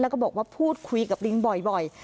แล้วก็บอกว่าพูดคุยกับลิงบ่อย